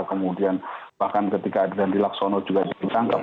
kemudian bahkan ketika adiandi laksono juga ditangkap